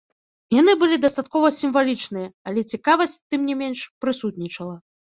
Яны былі дастаткова сімвалічныя, але цікавасць, тым не менш, прысутнічала.